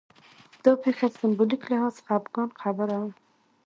دا پېښه سېمبولیک لحاظ خپګان خبره وه